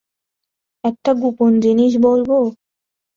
একটা গোপন জিনিস বলবো?